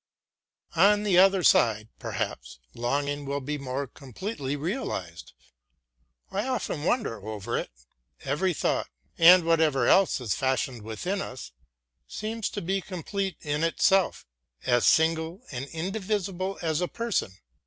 On the other side, perhaps, longing will be more completely realized. I often wonder over it; every thought, and whatever else is fashioned within us, seems to be complete in itself, as single and indivisible as a person.